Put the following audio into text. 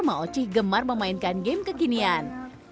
ma oci gemar memainkan game kekinian